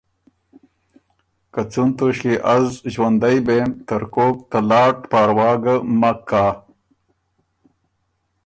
که څُون توݭکيې از ݫوندئ بېم ترکوک ته لاټ پاروا ګۀ مک کۀ۔